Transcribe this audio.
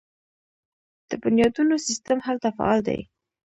د بنیادونو سیستم هلته فعال دی.